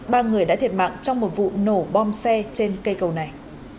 ba người đã thiệt mạng trong một vụ nổ bom xe trên cây cầu này